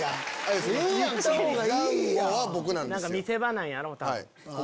見せ場なんやろう多分。